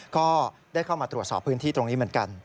ก็ได้เข้ามาตรวจสอบพื้นที่ตรงนี้เหมือนกัน